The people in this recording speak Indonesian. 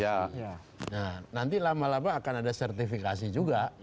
nah nanti lama lama akan ada sertifikasi juga